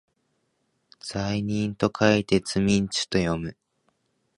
罪人と書いてつみんちゅと読む